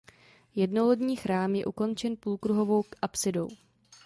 Jednolodní chrám je ukončen půlkruhovou apsidou.